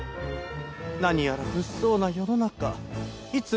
何やら物騒な世の中いつ